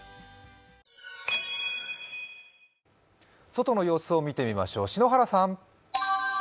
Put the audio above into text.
外の様子を見てみましょう、篠原さん。